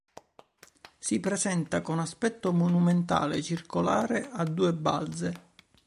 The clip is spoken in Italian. Si presenta con aspetto monumentale circolare a due balze.